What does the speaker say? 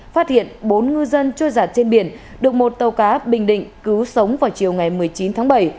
phát hiện bốn ngư dân trôi giặt trên biển được một tàu cá bình định cứu sống vào chiều ngày một mươi chín tháng bảy